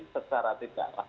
secara tidak langsung